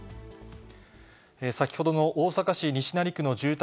先ほどの大阪市西成区の住宅